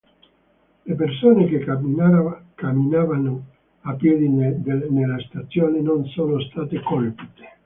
Le persone che camminavano a piedi nella stazione non sono state colpite.